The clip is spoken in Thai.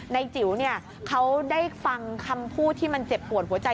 จิ๋วเนี่ยเขาได้ฟังคำพูดที่มันเจ็บปวดหัวใจ